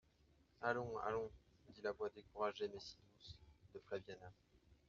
«Allons … allons …» dit la voix, découragée mais si douce, de Flaviana.